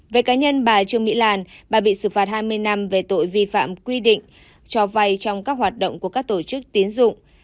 về cá nhân bà trương mỹ lan bà bị xử phạt hai mươi năm về tội vi phạm quy định cho vay trong các hoạt động của các tổ chức tiến dụng